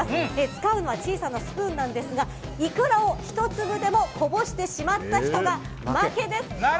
使うのは小さなスプーンですがイクラを１粒でもこぼしてしまった人が負けです。